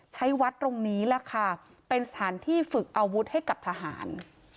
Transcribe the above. ใช้วัดตรงนี้แหละค่ะเป็นสถานที่ฝึกอาวุธให้กับทหาร